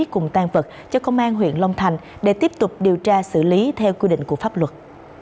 cùng tan vật cho công an huyện long thành để tiếp tục điều tra xử lý theo quy định của pháp luật